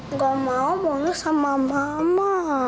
nggak mau boleh sama mama